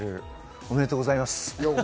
おめでとうございます。